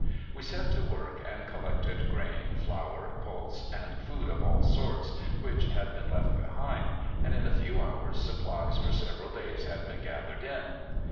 We set to work and collected grain, flour, pulse, and food of all sorts which had been left behind, and in a few hours supplies for several days had been gathered in.